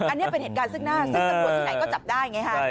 อันนี้เป็นเหตุการณ์ซึ่งหน้าซึ่งตำรวจที่ไหนก็จับได้ไงฮะ